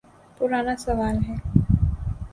پرانا سوال ہے۔